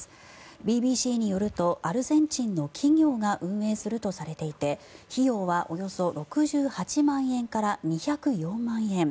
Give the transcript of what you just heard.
ＢＢＣによるとアルゼンチンの企業が運営するとされていて費用はおよそ６８万円から２０４万円。